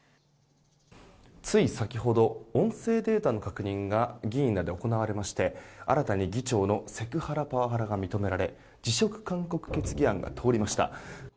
つい先ほど音声データの確認が議員らで行われまして新たに議長のセクハラ・パワハラが認められ辞職勧告決議案が通りました。